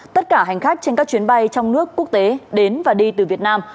tất cả hành khách trên các chuyến bay trong nước quốc tế đến và đi từ việt nam